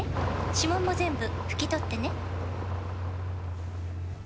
指紋も全部拭き取ってね」